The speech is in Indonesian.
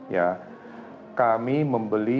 ya kami membeli